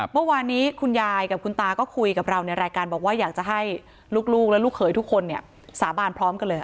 เมื่อวานนี้คุณยายกับคุณตาก็คุยกับเราในรายการบอกว่าอยากจะให้ลูกและลูกเขยทุกคนเนี่ยสาบานพร้อมกันเลย